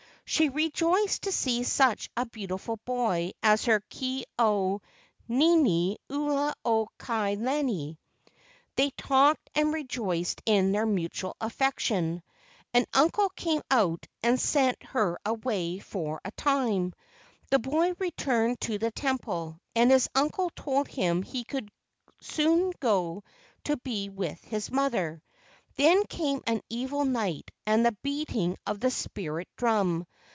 She re¬ joiced to see such a beautiful boy as her Ke au nini ula o ka lani. They talked and rejoiced in their mutual affection. An uncle came and sent her away for a time. The boy returned to the temple, and his uncle told him he could soon go to be with his mother. Then came an evil night and the beating of the spirit drum.